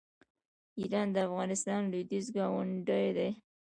ایران د افغانستان لویدیځ ګاونډی دی.